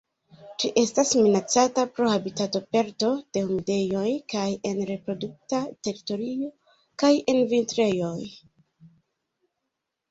Ĝi estas minacata pro habitatoperdo de humidejoj kaj en reprodukta teritorio kaj en vintrejoj.